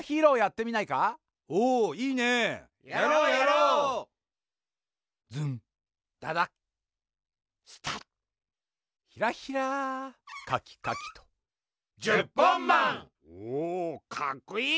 おかっこいい！